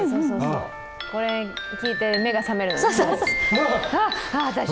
これ、聴いて、目が覚める。